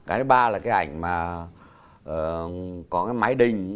cái ba là cái ảnh mà có cái mái đình